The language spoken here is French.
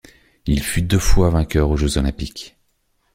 Il fut deux fois vainqueur aux Jeux olympiques.